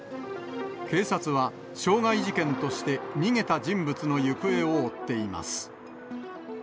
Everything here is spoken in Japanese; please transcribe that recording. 警察は、傷害事件として逃げた人物の行方を追っています。